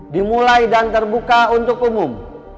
dimulai dan terbuka untuk umum